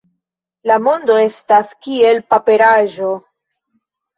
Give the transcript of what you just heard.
La mondo estas kiel paperaĵo.